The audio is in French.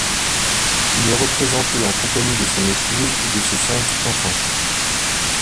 Il est représenté en compagnie de son épouse et de ses cinq enfants.